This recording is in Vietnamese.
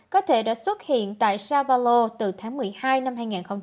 có thể đã xuất hiện tại sao paulo từ tháng một mươi hai năm hai nghìn hai mươi một